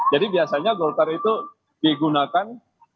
jadi biasanya golkar itu digunakan